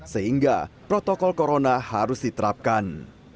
sehingga protokol corona harus diterapkan